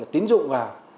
tín dụng vào